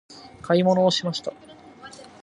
買い物をしました。